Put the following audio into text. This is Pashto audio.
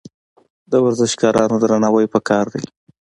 د ورزشکارانو درناوی پکار دی.